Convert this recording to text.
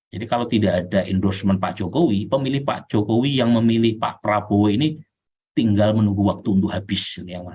kalau tidak ada endorsement pak jokowi pemilih pak jokowi yang memilih pak prabowo ini tinggal menunggu waktu untuk habis